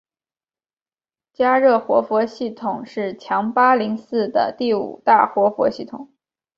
嘉热活佛系统是强巴林寺的第五大活佛系统。